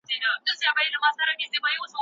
کمپيوټر يادوْنه ساتي.